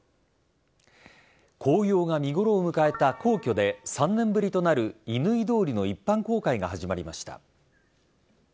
紅葉が見頃を迎えた皇居で３年ぶりとなる乾通りの一般公開が始まりました。